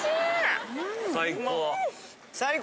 ・最高。